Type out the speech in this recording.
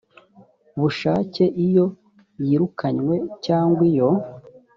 bushake iyo yirukwanywe cyangwa iyo